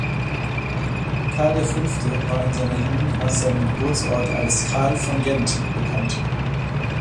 Karl V. war in seiner Jugend nach seinem Geburtsort als „Karl von Gent“ bekannt.